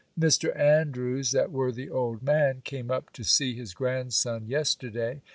Mr. Andrews, that worthy old man, came up to see his grandson, yesterday.